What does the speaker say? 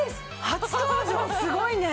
初登場すごいね。